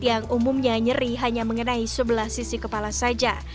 yang umumnya nyeri hanya mengenai sebelah sisi kepala saja